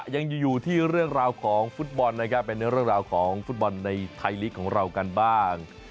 ยังอยู่ที่เรื่องราวของฟุตบอลนะครับเป็นเรื่องราวของฟุตบอลในไทยลีกของเรากันบ้าง